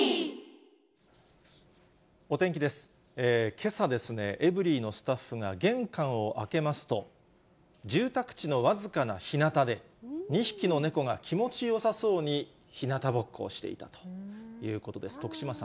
けさですね、エブリィのスタッフが玄関を開けますと、住宅地の僅かなひなたで、２匹の猫が気持ちよさそうにひなたぼっこしていたということです。